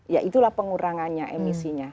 ya itulah pengurangannya emisinya